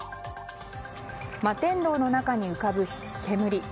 摩天楼の中に浮かぶ煙。